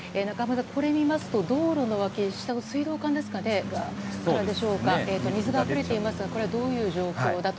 これを見ますと道路の脇の水道管でしょうか水があふれていますがこれはどういう状況だと？